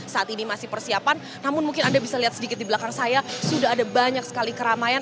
saat ini masih persiapan namun mungkin anda bisa lihat sedikit di belakang saya sudah ada banyak sekali keramaian